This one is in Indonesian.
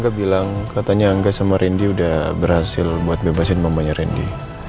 dia bilang katanya angga sama randy udah berhasil buat bebasin mamanya randy